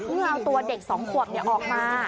เมื่อเอาตัวเด็ก๒ขวบออกมา